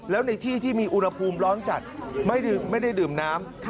แล้วในที่ที่มีอุณหภูมิร้อนจัดไม่ได้ดื่มน้ำ